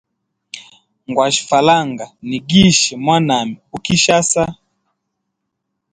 Ngwashe falanga, nigishe mwanami u kisasa.